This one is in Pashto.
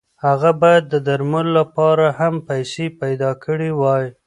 هغه باید د درملو لپاره هم پیسې پیدا کړې وای.